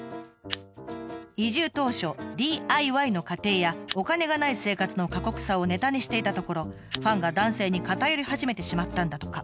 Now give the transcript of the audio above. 移住当初ＤＩＹの過程やお金がない生活の過酷さをネタにしていたところファンが男性に偏り始めてしまったんだとか。